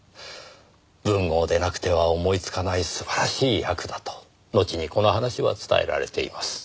文豪でなくては思いつかない素晴らしい訳だと後にこの話は伝えられています。